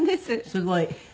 すごい。